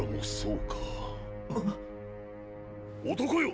男よ！